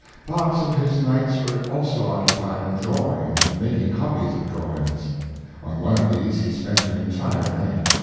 Parts of his nights were also occupied in drawing and making copies of drawings. On one of these he spent an entire night.